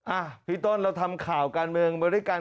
อาพี่ต้นเราทำข่าวการเมืองบริการ